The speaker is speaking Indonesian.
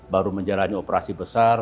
baru menjalani operasi besar